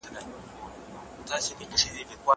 ليکنې وکړه!!